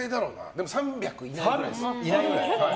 でも３００いないぐらい。